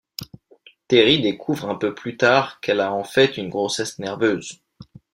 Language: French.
Terri découvre un peu plus tard qu’elle a en fait une grossesse nerveuse.